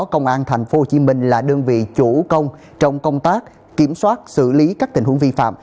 công an thành phố hồ chí minh là đơn vị chủ công trong công tác kiểm soát xử lý các tình huống vi phạm